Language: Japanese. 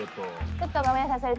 ちょっとごめんなさい。